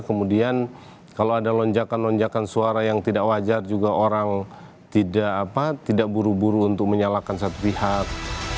kemudian kalau ada lonjakan lonjakan suara yang tidak wajar juga orang tidak buru buru untuk menyalahkan satu pihak